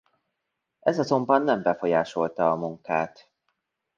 Ez azonban nem befolyásolta a munkát.